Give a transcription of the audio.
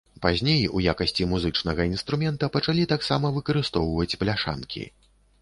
Пазней у якасці музычнага інструмента пачалі таксама выкарыстоўваць бляшанкі.